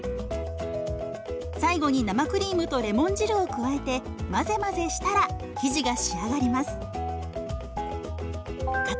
最後に生クリームとレモン汁を加えて混ぜ混ぜしたら生地が仕上がります。